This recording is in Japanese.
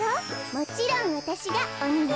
もちろんわたしがおにね。